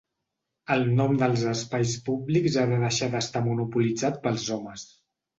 El nom dels espais públics ha de deixar d'estar monopolitzat pels homes.